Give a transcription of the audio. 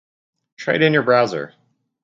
Try it in your browser